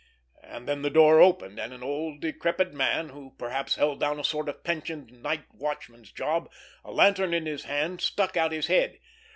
And then the door opened, and an old, decrepit man, who perhaps held down a sort of pensioned night watchman's job, a lantern in hand, stuck out his head.